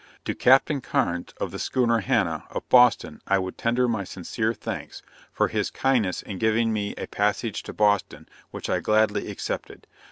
To Captain Carnes, of the schooner Hannah, of Boston, I would tender my sincere thanks, for his kindness in giving me a passage to Boston, which I gladly accepted.